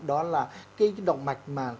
đó là cái động mạch mà